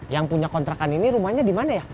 yang punya kontrakan ini rumahnya di mana ya